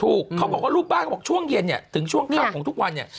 เขาบอกว่ารูปบ้านเขาบอกช่วงเย็นเนี่ยถึงช่วงค่ำของทุกวันเนี่ย